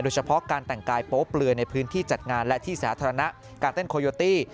เฉพาะการแต่งกายโป๊เปลือยในพื้นที่จัดงานและที่สาธารณะการเต้นโคโยตี้